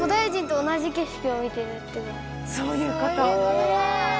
そういうこと！へ！